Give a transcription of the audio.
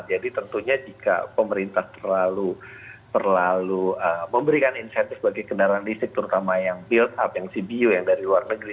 jadi tentunya jika pemerintah terlalu memberikan insentif bagi kendaraan listrik terutama yang build up yang cbu yang dari luar negeri